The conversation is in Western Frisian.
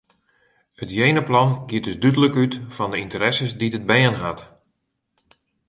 It jenaplan giet dus dúdlik út fan de ynteresses dy't it bern hat.